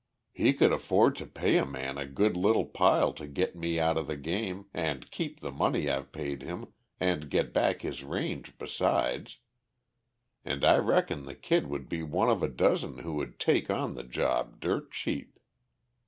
"He could afford to pay a man a good little pile to get me out of the game, and keep the money I've paid him and get back his range besides. And I reckon the Kid would be one of a dozen who would take on the job dirt cheap!"